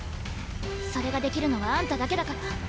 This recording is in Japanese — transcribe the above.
それができるのはあんただけだから。